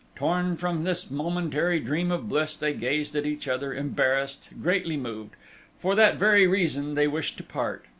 Torn from this momentary dream of bliss, they gazed at each other, embarrassed, greatly moved: for that very reason they wished to part.